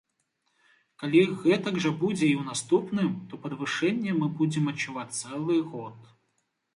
Калі гэтак жа будзе і ў наступным, то падвышэнне мы будзем адчуваць цэлы год.